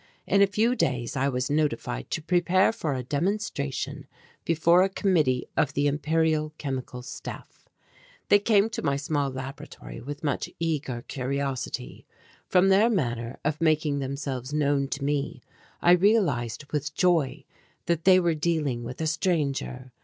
In a few days I was notified to prepare for a demonstration before a committee of the Imperial Chemical Staff. They came to my small laboratory with much eager curiosity. From their manner of making themselves known to me I realized with joy that they were dealing with a stranger.